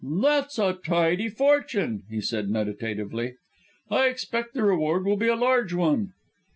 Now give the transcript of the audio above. "That's a tidy fortune," he said meditatively. "I expect the reward will be a large one."